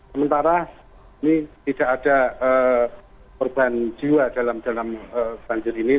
sementara ini tidak ada korban jiwa dalam dalam banjir ini